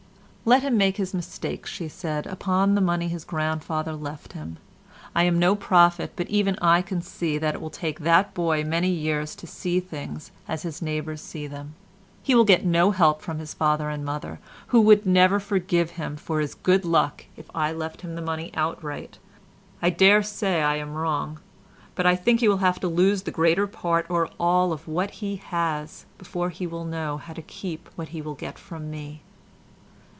"Let him make his mistakes," she said, "upon the money his grandfather left him. I am no prophet, but even I can see that it will take that boy many years to see things as his neighbours see them. He will get no help from his father and mother, who would never forgive him for his good luck if I left him the money outright; I daresay I am wrong, but I think he will have to lose the greater part or all of what he has, before he will know how to keep what he will get from me."